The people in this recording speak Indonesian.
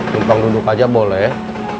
lumpang duduk aja boleh